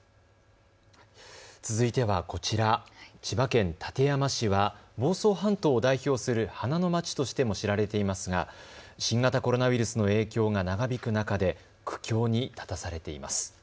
続いてはこちら、千葉県館山市は房総半島を代表する花の町としても知られていますが新型コロナウイルスの影響が長引く中で苦境に立たされています。